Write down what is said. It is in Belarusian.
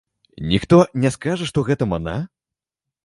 Ніхто не скажа, што гэта мана?